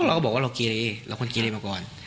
เราก็บอกว่าเราเกรียร์เลยเราคนเกรียร์เลยมาก่อน